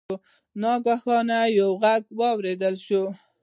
ناګهانه یو غږ واوریدل شو.